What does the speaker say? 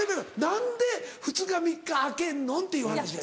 何で２日３日空けんのんっていう話や。